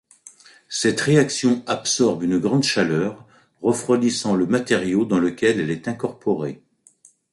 Cette réaction absorbe une grande chaleur, refroidissant le matériau dans lequel elle est incorporée.